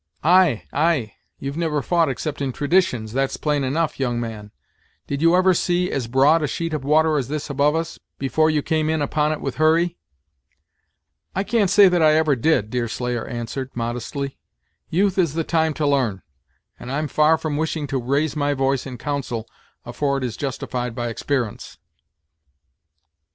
"Ay, ay; you 've never fought except in traditions, that's plain enough, young man! Did you ever see as broad a sheet of water as this above us, before you came in upon it with Hurry?" "I can't say that I ever did," Deerslayer answered, modestly. "Youth is the time to l'arn; and I'm far from wishing to raise my voice in counsel, afore it is justified by exper'ence."